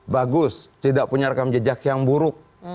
bagus tidak punya rekam jejak yang buruk